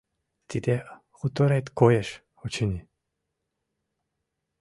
— Тиде хуторет коеш, очыни.